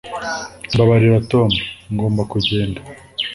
mbabarira, tom, ngomba kugenda